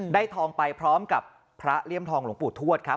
ทองไปพร้อมกับพระเลี่ยมทองหลวงปู่ทวดครับ